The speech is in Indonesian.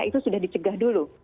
itu sudah dicegah dulu